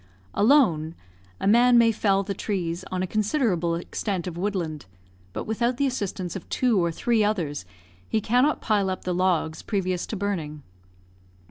Alone, a man may fell the trees on a considerable extent of woodland; but without the assistance of two or three others, he cannot pile up the logs previous to burning.